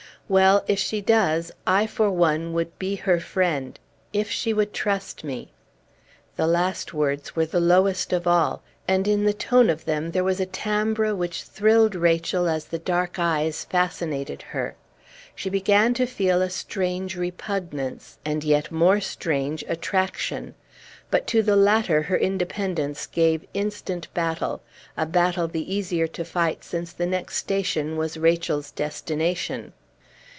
Well, if she does, I for one would be her friend if she would trust me!" The last words were the lowest of all; and in the tone of them there was a timbre which thrilled Rachel as the dark eyes fascinated her. She began to feel a strange repugnance and yet more strange attraction. But to the latter her independence gave instant battle a battle the easier to fight since the next station was Rachel's destination.